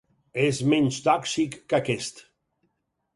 És menys tòxic que aquest.